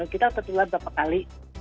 kita tertular berapa kali